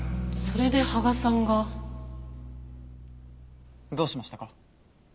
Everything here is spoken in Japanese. それで芳賀さんが。どうしましたか？